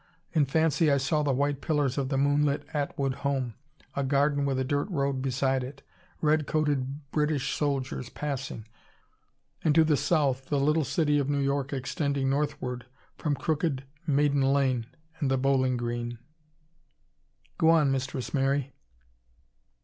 In fancy I saw the white pillars of the moonlit Atwood home. A garden with a dirt road beside it. Red coated British soldiers passing.... And to the south the little city of New York extending northward from crooked Maiden Lane and the Bowling Green.... "Go on, Mistress Mary."